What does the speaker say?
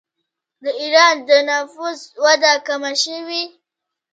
د ایران د نفوس وده کمه شوې.